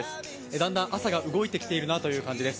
だんだん朝が動いてきているなという感じです。